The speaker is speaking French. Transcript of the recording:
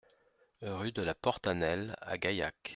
Rue de la Portanelle à Gaillac